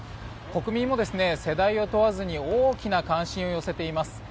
国民も世代を問わずに大きな関心を寄せています。